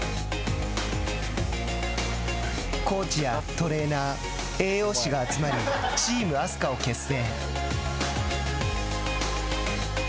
コーチやトレーナー栄養士が集まりチームあすかを結成。